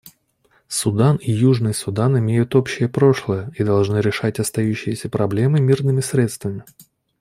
Судан и Южный Судан имеют общее прошлое и должны решать остающиеся проблемы мирными средствами.